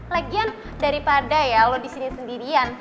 legian daripada ya lo disini sendirian